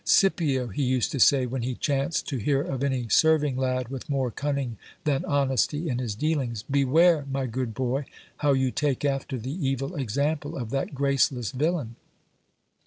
Scipio, he used to say, when he chanced to hear of any serving lad with more cunning than honesty in his dealings, beware, my good boy, how you take after the evil example of that graceless villain.